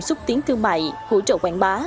xúc tiến thương mại hỗ trợ quảng bá